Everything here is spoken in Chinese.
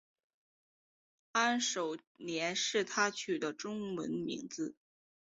安守廉是他取的中文名字。